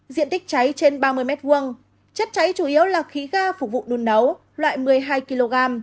diện tích cháy trên ba mươi m hai chất cháy chủ yếu là khí ga phục vụ đun nấu loại một mươi hai kg